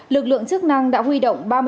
lực lượng chức năng đã huy động